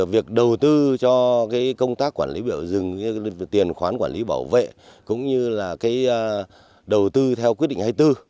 việc đầu tư cho công tác quản lý biểu rừng tiền khoán quản lý bảo vệ cũng như là đầu tư theo quyết định hai mươi bốn